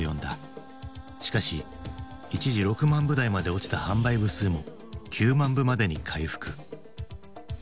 しかし一時６万部台まで落ちた販売部数も９万部までに回復。